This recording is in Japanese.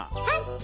はい！